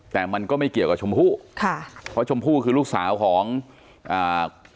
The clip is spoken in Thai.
แต่มันก็ไม่เกี่ยวกับชมพู่ค่ะเพราะชมพู่คือลูกสาวของอ่า